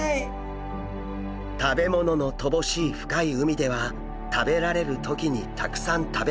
食べ物のとぼしい深い海では食べられる時にたくさん食べる。